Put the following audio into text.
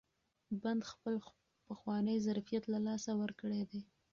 بند خپل پخوانی ظرفیت له لاسه ورکړی دی.